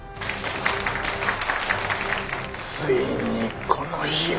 ついにこの日が。